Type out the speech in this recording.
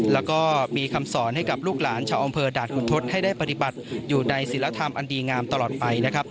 แล้วก็มีคำสอนให้กับลูกหลานชาวอำเภอด่านขุนทศให้ได้ปฏิบัติอยู่ในศิลธรรมอันดีงามตลอดไปนะครับ